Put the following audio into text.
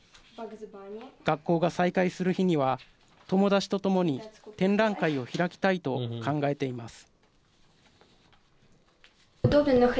学校が再開する日には友達と共に展覧会を開きたいと考えています。